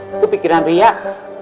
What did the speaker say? itu pikiran riak